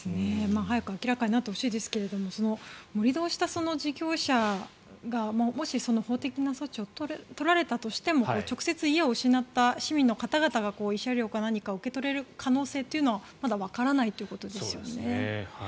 早く明らかになってほしいですけども盛り土をした事業者がもし法的な措置を取られたとしても直接、家を失った市民の方々が慰謝料か何かを受け取れる可能性はまだわからないということですよね。